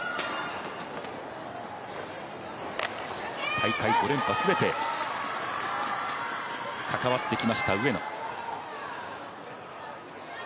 大会５連覇全て関わってきました、上野。